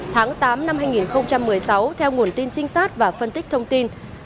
tháng tám năm hai nghìn một mươi sáu theo nguồn tin trinh sát và phân tích thông tin